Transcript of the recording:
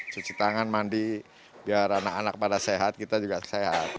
cuci tangan mandi biar anak anak pada sehat kita juga sehat